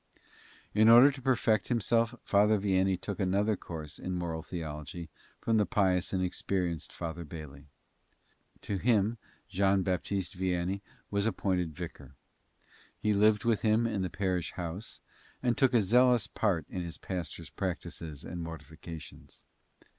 In order to perfect himself Father Vianney took another course in moral theology from the pious and experienced Father Bailey. To him Jean Baptist Vianney was appointed vicar. He lived with him in the parish house and took a zealous part in his pastor's practices and mortifications.